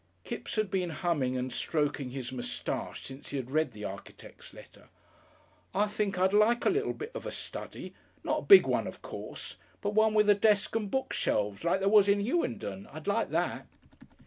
Kipps had been humming and stroking his moustache since he had read the architect's letter. "I think I'd like a little bit of a study not a big one, of course, but one with a desk and book shelves, like there was in Hughenden. I'd like that."